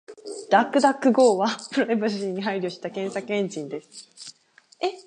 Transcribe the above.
DuckDuckGo はプライバシーに配慮した検索エンジンです。